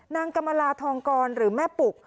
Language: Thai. นางกรรมลาทองกรหรือแม่ปุก